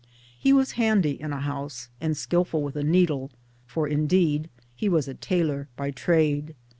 He was handy in a house, and skilful with a needle ; for indeed he was a tailor by trade.